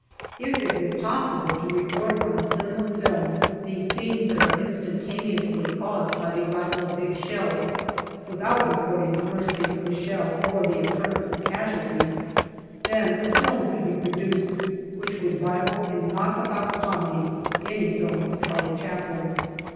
" If it were possible to record on a cinema film these scenes that are instantaneously caused by the arrival of big shells, without recording the bursting of a shell or the occurrence of casualties, then a film could be produced which would rival in knockabout comedy any film of Charlie Chaplin's.